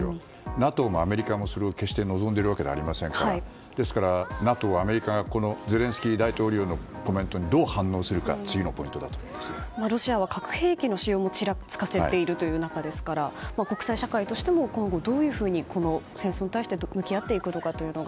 ＮＡＴＯもアメリカもそれを決して望んでいるわけではありませんからですからＮＡＴＯ、アメリカがゼレンスキー大統領のコメントにどう反応するかがロシアは核兵器の使用もちらつかせている中なので国際社会としても今後どのようにこの戦争に対して向き合っていくのかというのが。